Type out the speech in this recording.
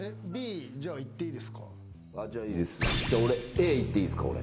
Ａいっていいですか俺。